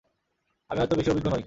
আমি হয়তো বেশী অভিজ্ঞ নই।